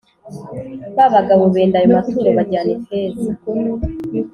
Ba bagabo benda ayo maturo bajyana ifeza